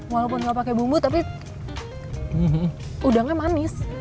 walaupun gak pake bumbu tapi udangnya manis